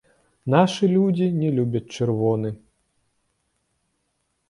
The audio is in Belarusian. Нашы людзі не любяць чырвоны.